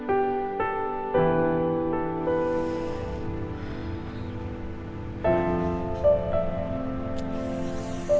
akan terjadi sesuatu